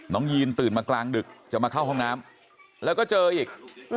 ยีนตื่นมากลางดึกจะมาเข้าห้องน้ำแล้วก็เจออีก